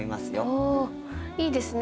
おいいですね。